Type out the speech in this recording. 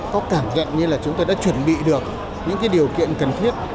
có cảm nhận như là chúng tôi đã chuẩn bị được những điều kiện cần thiết